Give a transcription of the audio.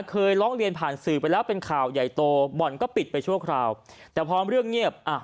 เคยร้องเรียนผ่านสื่อไปแล้วเป็นข่าวใหญ่โตบ่อนก็ปิดไปชั่วคราวแต่พอเรื่องเงียบอ่ะ